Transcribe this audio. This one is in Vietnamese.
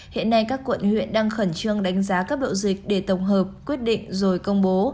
hiện nay các quận huyện đang khẩn trương đánh giá các bộ dịch để tổng hợp quyết định rồi công bố